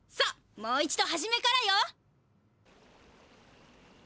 もう一度はじめからよ！